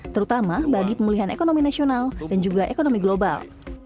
terutama bagi pemulihan ekonomi nasional dan juga ekonomi global